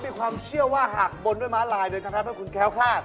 มีความเชื่อว่าหากบนด้วยมาลายโดยกระทะพันธุ์ขุนแค้วข้าด